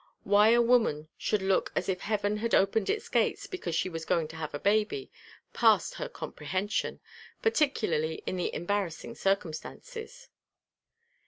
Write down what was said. Why a woman should look as if heaven had opened its gates because she was going to have a baby, passed her comprehension, particularly in the embarrassing circumstances.